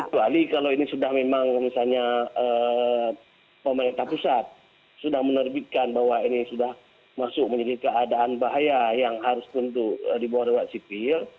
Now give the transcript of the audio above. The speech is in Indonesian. kecuali kalau ini sudah memang misalnya pemerintah pusat sudah menerbitkan bahwa ini sudah masuk menjadi keadaan bahaya yang harus untuk dibawa rakyat sipil